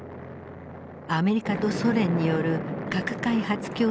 アメリカとソ連による核開発競争が始まる。